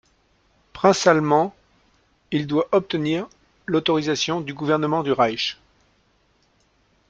Prince allemand, il doit obtenir l'autorisation du gouvernement du Reich.